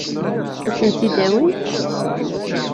Ad asen-tt-id-tawimt?